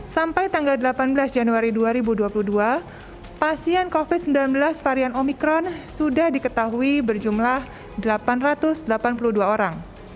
sampai tanggal delapan belas januari dua ribu dua puluh dua pasien covid sembilan belas varian omikron sudah diketahui berjumlah delapan ratus delapan puluh dua orang